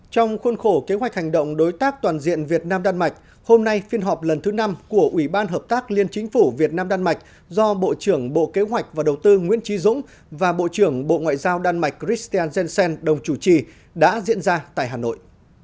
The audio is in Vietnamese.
trong khuôn khổ kế hoạch hành động đối tác toàn diện việt nam đan mạch hôm nay phiên họp lần thứ năm của ủy ban hợp tác liên chính phủ việt nam đan mạch do bộ trưởng bộ kế hoạch và đầu tư nguyễn trí dũng và bộ trưởng bộ ngoại giao đan mạch christan jensen đồng chủ trì đã diễn ra tại hà nội